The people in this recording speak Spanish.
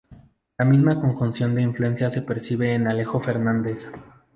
La misma conjunción de influencias se percibe en Alejo Fernández.